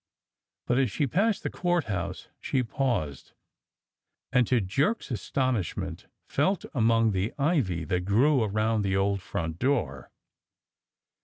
But as she passed the Court House she paused, and to Jerk's astonishment felt among the ivy that grew around the old front door.